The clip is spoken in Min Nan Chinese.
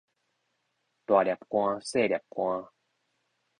大粒汗細粒汗